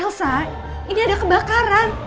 elsa ini ada kebakaran